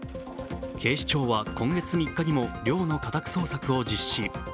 警視庁は今月３日にも寮の家宅捜索を実施。